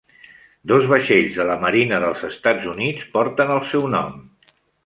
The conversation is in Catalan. Dos vaixells de la Marina dels Estats Units porten el seu nom.